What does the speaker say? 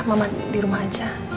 mama di rumah aja